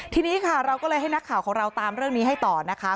ทีนี้ค่ะเราก็เลยให้นักข่าวของเราตามเรื่องนี้ให้ต่อนะคะ